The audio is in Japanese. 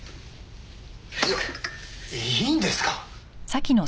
いいんですか？